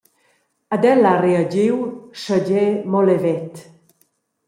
Ed el ha reagiu, schegie mo levet.